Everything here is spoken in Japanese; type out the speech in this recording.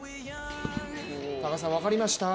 高橋さん、分かりました？